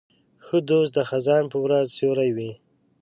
ښه دوست د خزان په ورځ سیوری وي.